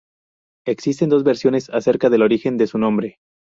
Existe dos versiones acerca del origen de su nombre.